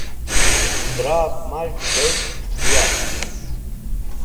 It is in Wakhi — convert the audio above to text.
Dra’v maz̃h dez̃dh dẽ yark.